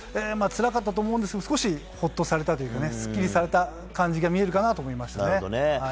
つらかったと思うんですが少しほっとされたというかすっきりされた感じが見えるかなと思いましたね。